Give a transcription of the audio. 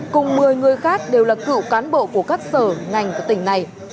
cùng một mươi người khác đều là cựu cán bộ của các sở ngành của tỉnh này